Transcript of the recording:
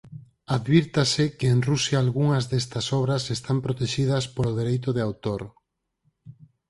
Advírtase que en Rusia algunhas destas obras están protexidas polo dereito de autor.